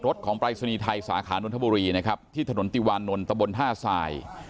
จอดรถของปลายสนียไทยสาขานนทบุรีนะครับที่ถนนติวานนทบน๕ทราย